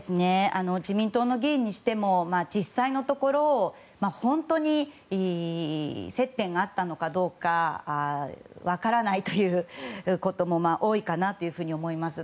自民党の議員にしても実際のところ本当に接点があったのかどうか分からないということも多いかなと思います。